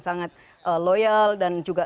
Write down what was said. sangat loyal dan juga